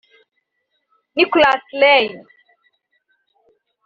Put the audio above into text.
Nicolas Rey